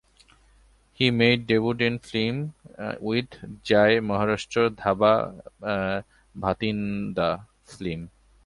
He made debut in film with "Jai Maharashtra Dhaba Bhatinda" film.